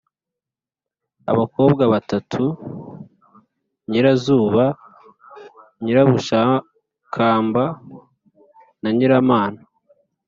abakobwa batatu: nyirazuba, nyirabashakamba na nyiramana